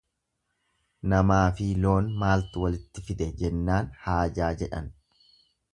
"""Namaafi loon maaltu walitti fide"" jennaan ""haajaa"" jedhan."